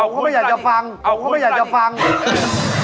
กี่ผมเข้ามาอยากจะฟังเว้ามือละนี้